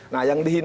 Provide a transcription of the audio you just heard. nah yang di mana